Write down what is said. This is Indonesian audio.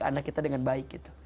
anak kita dengan baik